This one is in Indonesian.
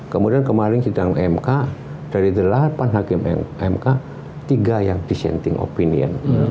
kemudian kemarin sidang mk dari delapan hakim mk tiga yang dissenting opinion